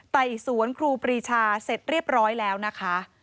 ไต่สวนครูปรีชาเสร็จเรียบร้อยแล้วนะคะ